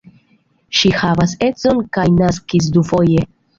Ŝi havas edzon kaj naskis dufoje.